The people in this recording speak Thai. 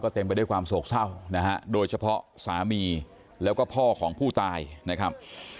เต็มไปด้วยความโศกเศร้านะฮะโดยเฉพาะสามีแล้วก็พ่อของผู้ตายนะครับ